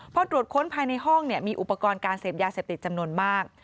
พอตรวจค้นภายในห้องมีอุปกรณ์การเสพยาเสพติดจำนวนมาก